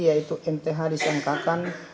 yaitu mth disangkakan